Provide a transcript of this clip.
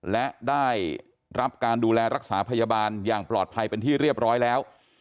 และได้รับการดูแลรักษาพยาบาลอย่างปลอดภัยเป็นที่เรียบร้อยแล้ว